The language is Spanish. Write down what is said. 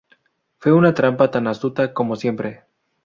Fue una trampa tan astuta como siempre".